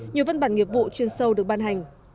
nhiều văn bản nghiệp vụ chuyên sâu được ban hành